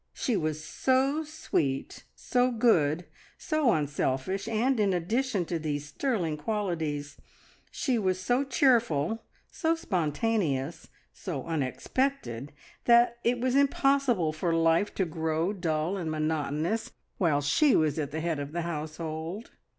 She was so sweet, so good, so unselfish, and in addition to these sterling qualities, she was so cheerful, so spontaneous, so unexpected, that it was impossible for life to grow dull and monotonous while she was at the head of the household.